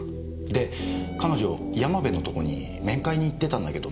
で彼女山部のとこに面会に行ってたんだけどなんでかな？